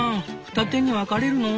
二手に分かれるの？